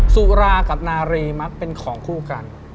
สุรากับนารีมักเป็นของคู่กัน